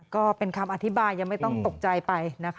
ก็เป็นคำอธิบายยังไม่ต้องตกใจไปนะคะ